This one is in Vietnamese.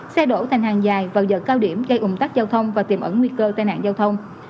xe đổ thành hàng dài vào giờ cao điểm gây ủng tắc giao thông và tiềm ẩn nguy cơ tai nạn giao thông